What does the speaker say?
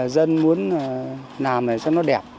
dân muốn làm để cho nó đẹp